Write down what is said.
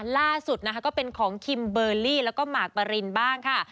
ล่าสุดนะคะก็เป็นของคิมเบอร์ลี่แล้วก็หมากปรินบ้างค่ะ